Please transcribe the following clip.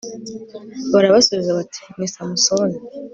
barabasubiza bati ni samusoni